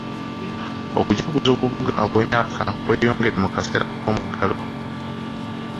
Okujaguza obubaga obw'emyaka kweyongedde mu kaseera k'omuggalo.